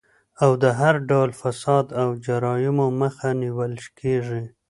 او د هر ډول فساد او جرايمو مخه نيول کيږي